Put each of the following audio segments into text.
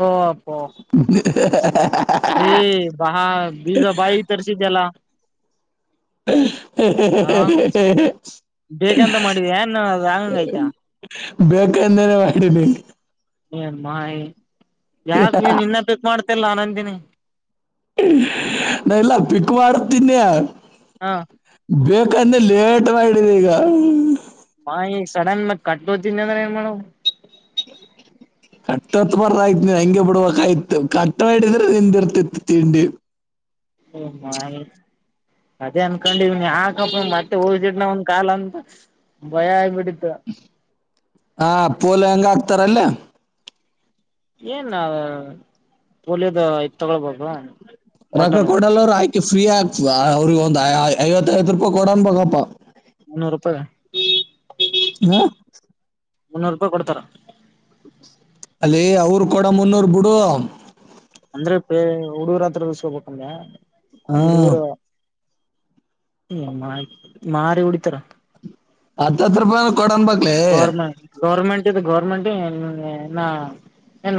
ಹಪ ಎ ಬಹ ಬೀಗ ಬಾಯಿ ತರ್ಸಿದಲ್ಲ ಹ್ಮ ಹ ಹ್ಮ್ ಹ್ಮ ಬೇಕಂತ ಹ್ಮ್ಮ ಮಾಡಿದ ಏನ್ ಹ್ಮ ರಾಂಗ್ ಆಯ್ತಾ ಹ್ಮ ಹ್ಮ ಬೇಕಂದೇನನೆ ಮಾಡ ಏ ಮಾಯಿ ಯಾಕ ನಿನ್ನ ಬಕ್ ಮಾಡ್ತಲ್ಲ ಆನಂದಿನಿ ನ ಎಲ್ಲ ಪಿಕ್ ಮಾಡತೀನಿಯ ಹಾ ಬೇಕಂದ್ರೆ ಲೇಟ್ ಮಾಡಿದೆ ಈಗ ನ ಈಗ ಸಡನ್ ಮತ್ ಕಟ್ಟ ಓ್ತನಿ ಅಂದ್ರೆ ಏನ್ ಮಾಡ [inaudible] ಕಟ್ಟತ್ ಬರ್ದ ಆಯ್ತ ನೀ ಹಂಗೆ ಬಿಡ್ಬೇಕಯ್ತು ಕಟ್ಟ ಹಡಿದ್ರೆ ನಿನ್ ಇರ್ತಿತ್ತು ತಿಂಡಿ ಹ ಹ ಅದೇ ಅನ್ಕೊಂಡ ಇವ್ ನೀ ಹಾಕಪ್ಪ ಮತ್ತೆ ಹೋಸಿಡ್ನ ಒಂದ್ ಕಾಲ ಅಂತ ಭಯ ಆಗ್ಬಿಟ್ಟಿದ ಹಾ ಪೂಲ್ ಹೆಂಗ ಆಕ್ತಾರಲ್ಲ ಏನ್ ಪೋಲಿಯೋದ ಐತ್ ತಗೊಳ್ಬವಾ ರೊಕ್ಕ ಕೊಡಲ್ಲ ಅವರು ಆಯ್ಕೆ ಫ್ರೀ ಆಕ್ ಅವ್ರಿಗೆ ಒಂದ್ ಐವತ್ತಐವತ್ ರೂಪಾಯಿ ಕೊಡನ್ ಬಪ್ಪ ಮುನ್ನೂರು ರೂಪಾಯಿ ಹಾ ಮುನ್ನೂರು ರೂಪಾಯಿ ಕೊಡ್ತಾರ ಅಲ್ಲಿ ಅವರು ಕೊಡ ಮುನ್ನೂರ್ ಬಿಡು ಅಂದ್ರೆ ಪೇ ಹುಡುಗರ ಹತ್ರ ಉಸ್ಕೋಬೇಕಂದ್ರೆ ಹ ಹುಡುಗರು ಹ ಮಾರಿ ಉಡಿತರ ಹತ್ತ ಹತ್ ರೂಪಾಯ ಕೊಡನ್ ಬಕ್ಲ ಗೌರ್ಮೆಂಟ್ ಗೌರ್ಮೆಂಟ್ ಗೌರ್ಮೆಂಟ್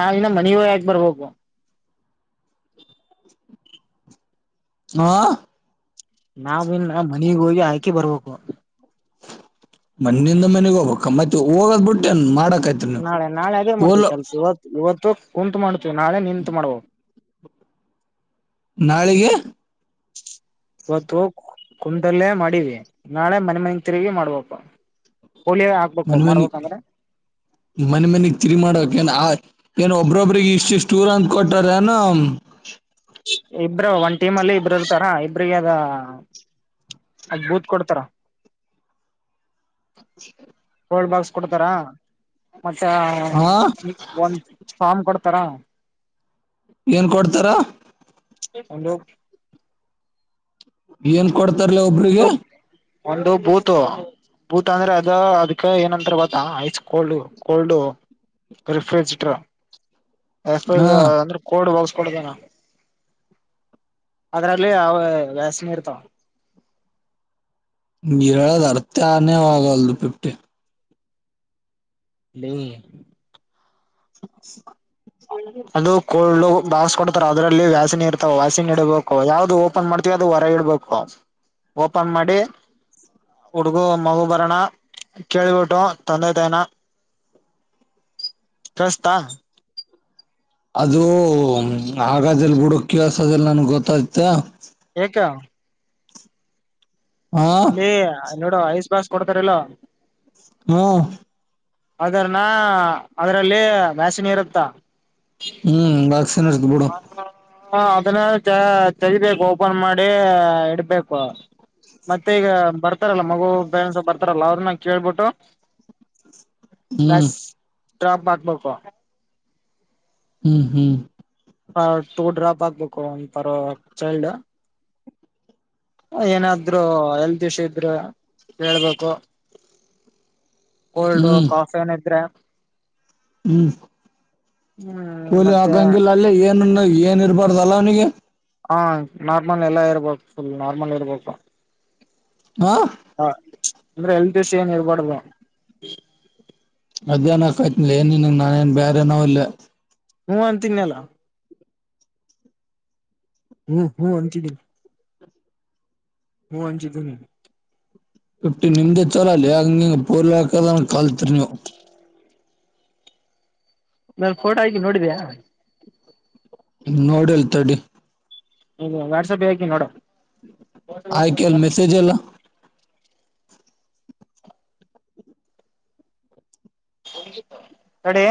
ನಾವಿನ್ನ ಮನವ ಯಾಕ ಬರ್ಬು ಹಾ ನಾವಿನ್ ನಾ ಮನಗ್ ಹೋಗಿ ಆಯ್ಕಿ ಬರ್ಬೇಕು ಮಣ್ಣಿಂದ ಮನೆಗ್ ಹೋಗಬಕ್ಕ ಮತ್ ಹೋಗದ್ ಬಿಟ್ಟೆನ್ ಮಾಡಕ್ ನಾಳೆ ನಾಳೆ ಅದೇ ಮಾಡ್ತೀವಿ ಕೆಲ್ಸ ಇವತ್ತು ಇವತ್ತು ಕುಂತ್ ಮಾಡ್ತೀವಿ ನಾಳೆ ನಿತ್ಮಾಡ್ಬೋ ನಾಳೆಗೆ ಇವತ್ತು ಕುಟಲ್ಲೇ ಮಾಡೀವಿ ನಾಳೆ ಮನೆ ಮನ ತಿರ್ವಿಿ ಮಾಡ್ಬೇಕ ಮನ್ ಮನೆ ಮನೆ ಮನಗ್ ತಿರಿ ಮಾಡಕ್ ಏನ ಒಬ್ರೊಬ್ರಿಗೆ ಇಷ್ಟ ಇಷ್ಟ ರ್ ಅಂತ ಕೊಟ್ಟಾರ ಏನ ಇಬರು ಒಂದ ಟೀಮ್ ಅಲ್ಲಿ ಇಬರು ಇರ್ತಾರ ಇಬ್ರಿಗೆ ಅದ ಅಗ್ ಬೂತ್ ಕೊಡ್ತಾರ [inaudible] ಗೋಲ್ಡ್ ಬಾಕ್ಸ್ ಕೊಡ್ತಾರ ಮತ್ತೆ ಹಾ ಒಂದ್ ಫಾಮ್ ಕೊಡ್ ತರ ಏನ್ ಕೊಡ್ತಾರ ಹಲ ಏನ್ ಕೊಡ್ತಾರಲ ಒಬ್ರಿಗೆ ಒಂದು ಬೂತ ಬೂತ ಅಂದ್ರೆ ಅದ ಅದ್ಕ ಏನಂತಾರ ಬತ್ತ ಐಸ್ ಕೋಲ್ಡ್ ಕೋಲ್ಡು ರರಿಫ್ರಿಜಟ್ರ ಎ ಹಾ ಅಂದ್ರೆ ಕೋಡ್ ಹಲ್ ಕೊಡುದನಾ ಅದ್ರಲ್ಲಿ ಅವ ವ್ಯಾಸನಿ ಇರ್ತಾವ ನೀರಳದ್ ಅರ್ಥ ಆನೇವಾಗಲ್ದು ಪಿಫ್ಟಿ ನೀ [inaudible] ಅದು ಕೋಲ್ಡ್ ಬಾವಸ್ ಕೊಡ್ತಾರ ಅದ್ರಲ್ಲಿ ವ್ಯಾಸನ್ ಇರ್ತಾವ ವ್ಯಾಸನ್ ಇಡಬೇಕು ಯಾವ್ದು ಓಪನ್ ಮಾಡ್ತೀವಿ ಅದು ಹೊರಗೆಡಬೇಕು ಓಪನ್ ಮಾಡಿ ಹುಡುಗು ಮಗು ಬರಣ ಕೇೇಳಿ ಬಿಟ್ಟು ತಂದೆ ತಾಯನಾ ಸಸ್ತಾ ಅದು ಆಗಾದಲ್ ಬಿುಡ ಕೆಳ್ಸದಿಲ್ಲ ನನ್ಗ್ ಗೊತ್ತಾಯ್ತ. ಹಕ [unintelligible] ಹಾ ಇಲ್ಲಿ ನೋಡುವ ಐಸ್ ಬಾಸ್ ಕೊಡ್ತಾರಲ್ಲ ಹ್ಮ್ ಅದರನ ಅದ್ರಲ್ಲಿ ವ್ಯಶಿನಿರುತ್ತಾ ಹ್ಮ್ ಬಾಗಸನರ್ತ ಬಿಡು ಹ ಅದನ್ನ ತೇ ತಗದ್ದು ಓಪನ್ ಮಾಡಿ ಇಡ್ಬೇಕು. ಮತ್ತೆ ಈಗ ಬರ್ತಾರಲ್ಲ ಮಗು ಪೇರೆಂಡ್ಸ್ ಬರ್ತಾರಲ್ಲ ಅವ್ರನ್ನ ಕೇಳ್ಬಿಟ್ಟು ಮ್ಯಾ ಹ್ಮ್ ಡ್ರಾಪ್ ಮಾಡಕ್ಬೇಕು ಹ್ಮ್ ಹ್ಮ್ ಹ ಟೂ ಡ್ರಾಪ್ ಆಗ್ಬೇಕು ಒಂದು ಪರ ಚೈಲ್ಡ್ ಏನಾದ್ರು ಹೇಲ್ತ್ ವಿಷ ಇದ್ರು ಹೇಳ್ಬೇಕು. ಕೋಲ್ಡ್ ಹ್ಮ್ ಕಾಫ ಏನಿದ್ರೆ ಹ್ಮ್ ಹ್ಮ್ ಕೂಲಿ ಮತ್ತೆ ಹಾಕಂಗಿಲ್ಲ ಅಲ್ಲಿ ಏನ ಏನ್ ಇರಬಾರ್ದಲ್ಲ ಅವನಿಗೆ. ಹಾ ನಾರ್ಮಲ್ ಎಲ್ಲ ಇರ್ಬೇಕು ಫುಲ್ ನಾರ್ಮಲ್ ಇರ್ಬೇಕು ಹಾ ಹ ಅಂದ್ರೆ ಹೇಲ್ತ್ ವಿಷ ಏನ್ ಇರ್ಬಾರಡ್ದ ಅದೇನ ಕಾತನಿಲ್ಲ ನಿನ್ನ್ಂಗ ನಾನೇನ್ ಬೇರೆ ಏನೋ ವಲ್ಲ. ಹೂ ಅಂತಿನ್ನಲ್ಲ ಹ್ಮ ಹ್ಮ್ ಅಂತೀನಿ ಹ ಅಂಚಿ ಧನಿ ಎಟ್ಟು ನಿಮ್ದೇ ಚಲೋಲ್ಲೆ ಅ ಹಂಗಂಗ ಪೂಲೀಯೂ ಹಾಕದಂಗ ಕಲ್ತ್ರಿ ನೀವು ನನ್ ಫೋಟೋ ಹಕಿದಿನ್ ನೋಡಿದ್ದೆಯ ನೋಡಿಲ್ತಡಿ ಇ ವಾಟ್ಸಪ್ ಹಾಕಿ ನೋಡು ಆಯ್ಕಲ್ಲ ಮೆಸೇಜ್ ಎಲ್ಲ ತಾಡೆ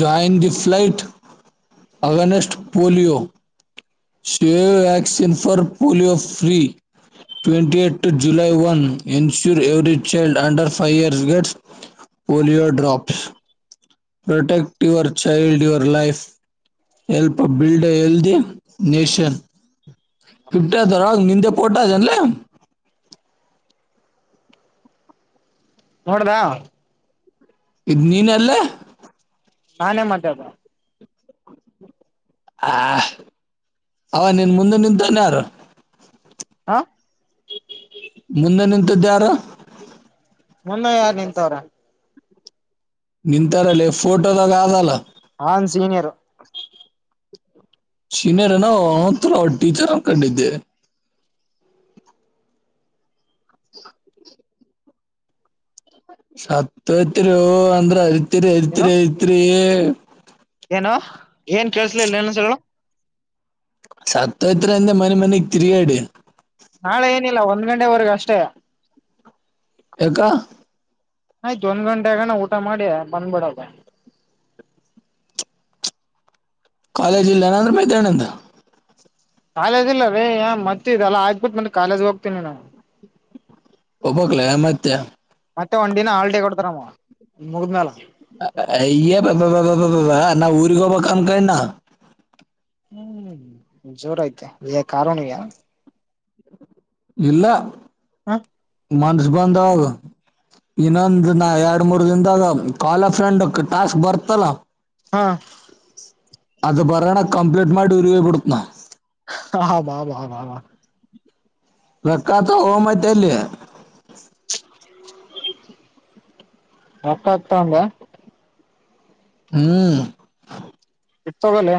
join the fight against polio save vaccine for polio free. Twenty eight to July one ensure every child under five years gets polio drops protect your child your life. Help build ಎಲ್ the nation ಿಫ್ಟದರ ನಿಂದೆ ಪೋಟ್ದನ್ಲ ನೋಡದಾ ಇದ್ ನೀನ್ಲ್ಲೇ ನಾನೇ ಮಾತ್ದ ಹ ಅವ ನಿನ್ ಮುಂದೆ ನಿಂತಂತನ್ನಾರು ಹಾ ಮುಂದೆ ನಿಂತದ್ದ ಯಾರು ಮುಂದೆ ಯಾರ್ ನಿಂತವ್ರ ನಿಂತಾರಲ್ಲ ಫೋಟೋದಾಗ ಆದಲ್ಲ ನಾನ್ ಸೀನಿಯರ್ ಸೀನಿಯರ್ನ ಒಥರ ಅವ ಟೀಚರ್ ಅನ್ ಕಂಡಿದ್ದೆ [inaudible] ಸತ್ಯತ್ರಿ ಅಂದ್ರ ಅರಿತಿರಿ ಅರಿತಿರಿ ಐತ್ರಿ. ಏನ ಏನ್ ಕೇಳ್ಸ್ಲಿಲ್ಲ ನನಸಗಳು ಸತ್ತ ಇತ್ರ ಎಂದ ಮನೆ ಮನೆ ತಿರಿಗಾಡಿ ನಾಳೆ ಏನಿಲ್ಲ ಒಂದ್ ಗಂಟೆವರೆಗ ಅಷ್ಟೇ ಹಕ್ಕ ಆಯ್ತ್ು ಒಂದ್ ಗಂಟೆ ಆಗಣ ಊಟ ಮಾಡಿ ಬಂದ್ಬಿಡದ [inaudible] ಕಾಲೇಜ್ ಇಲ್ಲ ನಂದ್ರೆ ಮೈತನಿಂದ ಕಾಲೇಜ್ ಇಲ್ಲ ರೀ ಮತ್ತೆ ಇಲ್ಲ ಆಗ್ಬಿಟ್ಟ ಮತ್ತೆ ಕಾಲೇಜ್ ಹೋಗ್ತೀನಿ ನಾ ಬ್ಬಕ್ಲ ಆಮತ ಮತ್ತೆ ಒಂದುಿನ ಹಾಲ್ಡ ಕೊಡ್ತಾರಮ್ಮ ಮುಗಿದ್ಮೇಲ ಇ್ಯ ನಾ ಊರಿಗೆ ಹೋಗಬೇಕ ಅನ್ ಕನ್ನ ಹ್ಮ್ ಜೋರಾಯತ ಕಾರಣ ಯಾರ ಇಲ್ಲ ಹಾ ಮಂಸ್ಬಧ ಇನ್ನೊಂದ್ ನ ಎರಡ್ ಮೂರ್ ದಿನದಾಗ ಕಾಲಫ್ರಂಡ್ ಟಾಸ್ಕ್ ಬರ್ತಲ್ಲ ಹಾ ಅದು ಪರಣ ಕಂಪ್ಲೀಟ್ ಮಾಡು ಉಪ ಕೊಡ್ತನ ಹಾ ಬಾಬಬಾಬಾ ವಕ್ಕಾತ ಹಮತಲ್ಲಿ ಮಕ್ಕ ಆಗ್ತಂಗ ಹ್ಮ್ ಎತ್ೋಗಲ್ಲ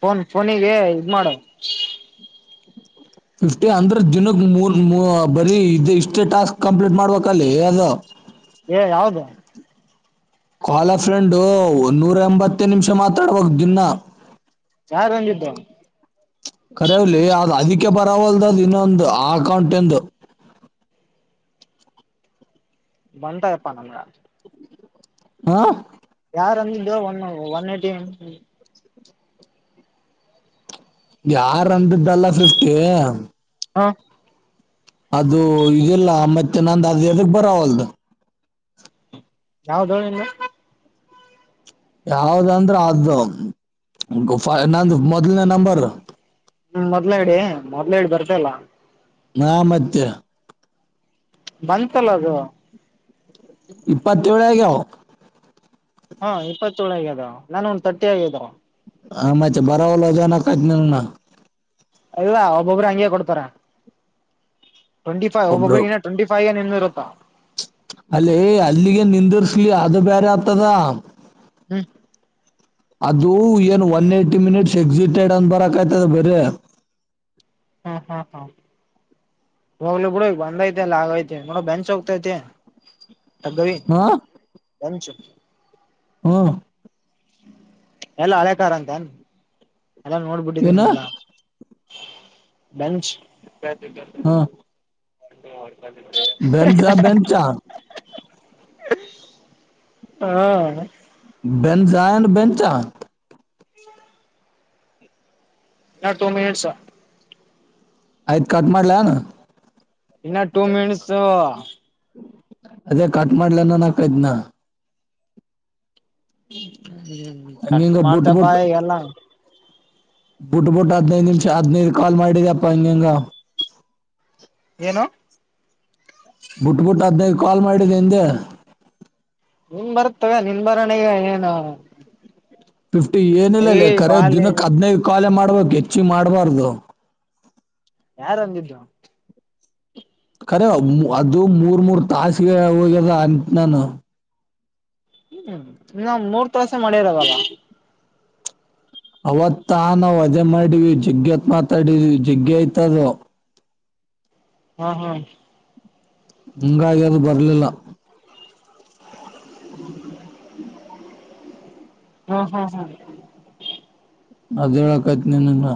ಫೋನ್ ಫೋನಿಗೆ ಇದ ಮಾಡ ಫಿಫ್ಟಿ ಅಂದ್ರ ದಿನಕ್ ಮೂರ್ ಬರೀ ಇ ಇಷ್ಟೇ ಟಾಸ್ಕ್ ಕಂಪ್ಲೀಟ್ ಮಾಡ್ಬೇಕಲ್ಲಿ ಏ ಯಾವ್ದ ಕಾಲ ಫ್ರೆಂಡು ಒನ್ನೂರ ಎಂಬತ್ತ ನಿಮಿಷ ಮಾತಾಡುವಾಗ ದಿನ್ನ ಚಾರ್ ಬಂದಿದ್ದರು ಕರವ್ಲಿ ಅದು ಅದಕ್ಕೆ ಪರವಲ್ದ ಅದು್ ಇನ್ನೊಂದು ಆ ಅಕೌಂಟ್ಂದು ಬನ್ತ ಇಪ್ಪಾನ ಮೇಡ ಹಾ ಯಾರು ಅಂದ ಇ ಒ ಒನ್ ಏಟಿ ಯಾರ ಅಂದ್ದಲ್ಲ ಫಿಫ್ಟಿ ಹಾ ಅದು ಈದೆಲ್ಲ ಮತ್ತೆ ನಂದು ಅದು ಎದಕ್ ಬರಾವಲ್ದು ಯಾವ್ದೋಳಿಂದ ಯಾವ್ದಂದ್ರ ಅದು ನಂದು ಮೊದ್ಲನೇ ನಂಬರ್ ಹ್ಮ್ ಮೊದ್ಲಡಿ ಮೊದ್ಲಡಿ ಬರ್ತಾಯಿಲ್ಲ ನಾ ಮತ್ತೆ ಬಂತಲ್ಲ ಅದು ಇಪ್ಪತ್ತು ಏಳು ಆಗವ್ ಹಾ ಇಪ್ಪತ್ತಏಳಗ ಅದಾವ ನಾನ ಒಂದ ತರ್ಟಿ ಆಗಿದೆ ಹ ಮ್ತ್ ಬರಾವಲ್ಲ ಜನ ಕತ್ ಅಲ್ಲ ಒಬ್ಬೊಬ್ಬ್ರ ಹಂಗಗೆ ಕೊಡ್ತಾರ ಟ್ವೆಂಟಿ ಒಬ್ರು ಫೈ್ಬ್ಬಬ್ಬ ಟ್ವೆಂಟಿ ಫೈ್ ನಿರತಾ ಇ ಅದು ಬರತದಾ ಹ್ಮ್ ಅದು ಏನು ಒನ್ ಏ್ಟ ಮಿನಿಟ್ಸ್ ಎಕ್ಸಿಟೆಡ್ ಅನ್ ಬರಕ ಆಯ್ತದ ಬರ ಹಾ ಹಾ ಹಾ ಹೋಗ್ಲ ಬಿುಡ ಬಂದ ಐತೆ ಎಲ್ಲ ಆಗೈತೆ ನೋಡ ಬೆಂಚ್ ಹೋಗ್ತೈತೆ ಅಗವಿ ಹಾ ಎಂ ಹ್ಮ್ ಎಲ್ಲ ಹಳೆೇಕಾರ್ ಅಂತ ಎಲ್ಲ ಏನ ನೋಡ್ಬಿಟ್ಟಿದ್ದೇನಿ ಎಲ್ಲ ಬೆಂಚ್ ಬೆಜ್ ಬೆಂಚಾ ಹಾ ಬೆಜ್ ಬೆಂಚ್ಚ ನಾ ಟು ಮಿನಿಟ್ಸಾ ಆಯ್ತ ಕಟ್ ಮಾಡ್ಲಾನ ಇನ್ನ ಟೂ ಮಿನಿಟ್ಸು ಅದೇ ಕಾಟಡ್ಲನ ನಕೈತ್ನಾ ಹ್ಮ ಕಟ್ ಹಂಗಿಂಗ ಮಾಡಂತ ಬಾಯ ಎಲ್ಲಾ ಬಿುಟ್ಟ ಬಿುಟ್ಟು ಹದ್ನೈದುನಿಮಿಷ ಹದ್ನದು ಕಾಲ್ ಮಾಡಿದಪ್ಪಾ ಇಂಗ್ ಇಂಗ ಏನು ಬಿಟ್ಬಿಟ್ಟು ಹದಿನೈದು ಕಾಲ್ ಮಾಡಿದ್ದ ಹಂದೆ ನಿನ್ ಬರ್ತ್ತವೆ ನಿನ್ ಬರವಣಿಗೆ ಏನು ಫಿಫ್ಟಿ ಏ ಏನಿಲ್ಲಲ್ಲಿ ಕರೆ ಬಾಲಿ ದಿನಕ್ಕೆ ಹದನೈದು ಕಾಲ ಮಾಡ್ಬೇಕು ಹೆಚ್ಚಿ ಮಾಡ್ಬಾರ್ದು ಯಾರು ಅಂದಿದ್ದು ಕರೆ ಅದು ಮೂರ್ ಮೂರ್ ತಾಸಿಗೆ ಹೋಗ್ಯದ ಅಂತ ನಾನು ಹ್ಮ್ ನಾವ್ ಮೂರ್ ತಾಸೆ ಮಾಡಿದ್ದು ಅವಾಗ ಅವತ್ತಾ ನಾವು ಅದೇ ಮಾಡೀವಿ ಜಗ್ಗೆತ್ ಮಾತಾಡವಿ ಜಗ್ಗೆಯ್ತದೋ ಹ್ಮ್ ಹ್ಮ್ ಹಾಂಗಾಗಿ ಅದು ಬರ್ಲಿಲ್ಲ [inaudible] ಹ್ಮ ಹಾ ಹಾ ಅದು ಹೇಳೋಕೆ ಆಯ್ತು ನಿನ್ನಿಂದ್ದ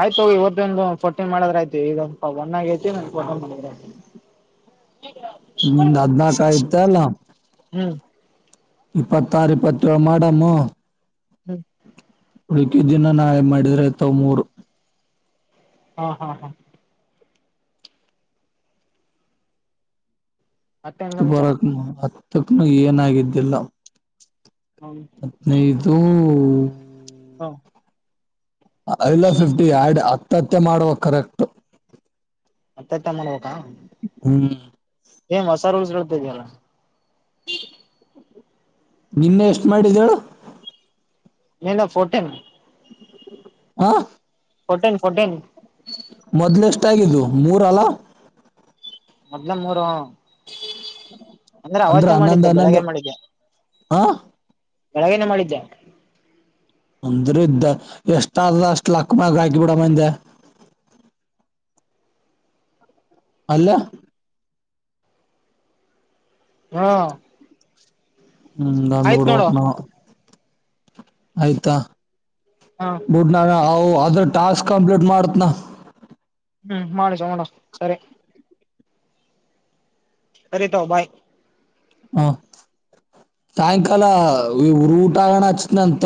ಆಯ್ತ ಹೋಗು ಇವತ್ತು ಫಟಿನ್ ಮಾಡದ್ರ ಆಯ್ತಿ ಈಗಪ ಒನ್ ಆಗೈತಿ ಫೋಟಿನ್ ಮಾಡತಿ [inaudible] ನಿಂದ್ ಹದಿ ನಾಕು ಆಯ್ತ ಅಲ್ಲ ಹ್ಮ್ ಇಪ್ಪತ್ತಾರು ಇಪ್ಪತ್ತೇಳು ಮಾಡಮ್ಮು ಹ್ಮ್ ಮಿಕ್ಕಿದು ಇನ್ನ ನಾಳೆ ಮಾಡಿದ್ರ ಆಯ್ತ ಮೂರು ಹಾ ಹಾ ಹಾ ಮತ್ತೇನ್ ಸಂಚಾರ ಹತ್ತಕ್ಕನು ಏನಾಗಿದ್ದಿಲ್ಲ ಹ್ಮ್ ಹದಿನೈದು ಹಾ ಎಲ್ಲ ಫಿಫ್ಟಿ ಆಡ್ ಹತ್ತತ್ಯೆ ಮಾಡುವ ಕರೆಕ್ಟ್ ಮತ್ತತ್ತ ಮಾಡ್ಬೇಕ ಹ್ಮ್ ಏ ಹೊಸರು ಉಸರು ತ್ತಲ್ಲ ನಿನ್ನೆ ಎಷ್ಟು ಮಾಡಿದ್ದಳು ನಿಂದು ಫೋಟಿನ್ ಹ ಫೋಟೀನ್ ಫೋಟೀನ್ ಮೊದ್ಲೆಷ್ಟಾಗಿದ್ದು ಮೂರು ಅಲ್ಲ ಮೊದಲೇನದು ಮೂರು ಆವ ಅಂದ್ರೆ ಅಂದ್ರ ಅವತ್ತೆ ಹನ್ನೊಂದ್ ಮಾಡಿದ್ದು ಬೆಳಿಗ್ಗೆ ಹನ್ನೊಂದು ಮಾಡಿದ್ದೆ ಹ ಬೆಳಗೆನೆ ಮಾಡಿದ್ದೆ ಅಂದ್ರ ಇದ್ದ ಎಷ್ಟ ಆದ ಅಷ್ಟ ಲಕ್ ಮ್ಯಾಲ ಹಾಕಿಬಿಡಮ್ ಅಂದ್ಯಾ ಅಲ್ಯ ಹಾ ಹ್ಮ್ ದಂದ್ ಬಿಡ್ುವಕ್ ನ ಆಯ್ತಾ ಹ ಡ್ ನ ಅ ಅದ್ರ ಟಾಸ್ಕ್ ಕಂಪ್ಲೀಟ್ ಮಾಡತ್ನಾ ಹ್ಮ್ ಮಾಡಿ ಚಗೋಣ ಸರಿ ಅರೆೇತಾವ ಭಾಯ್ ಹ ಸಾಯಂಕಾಲ ಊರು ಊಟ ಆಗಣ ಆಚ್ತ್ನ ಅಂತ